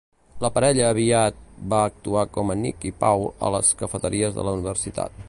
La parella aviat va actuar com a Nick i Paul a les cafeteries de la universitat.